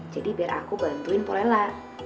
biar aku bantuin polela